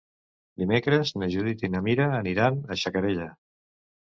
Dimecres na Judit i na Mira aniran a Xacarella.